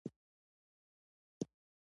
موږ د څلورو بجو پر ځای شپږ نیمې بجې ووتو.